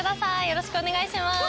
よろしくお願いします。